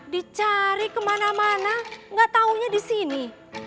dicari kemana mana gak taunya disini